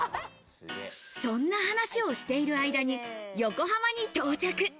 そんな話をしている間に横浜に到着。